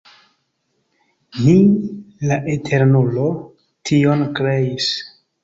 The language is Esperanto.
Mi, la Eternulo, tion kreis.